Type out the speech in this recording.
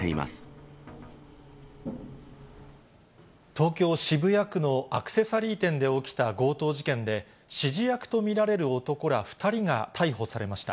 東京・渋谷区のアクセサリー店で起きた強盗事件で、指示役と見られる男ら２人が逮捕されました。